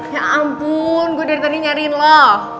ya ampun gue dari tadi nyariin loh